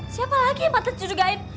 siapa lagi yang mampus nyudugain